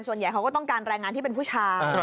ส่วนใหญ่เขาก็ต้องการรายงานที่เป็นผู้ชาย